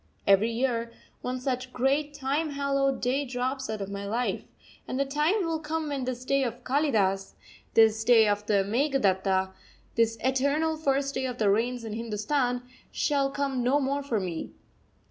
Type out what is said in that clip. Every year one such great, time hallowed day drops out of my life; and the time will come when this day of Kalidas, this day of the Meghaduta, this eternal first day of the Rains in Hindustan, shall come no more for me.